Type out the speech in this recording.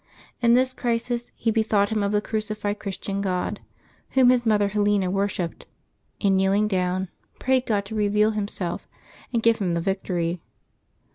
In this crisis he bethought him of the crucified Christian Grod Whom his mother Helena worshipped, and kneeling down, prayed God to reveal Himself and give him the victory.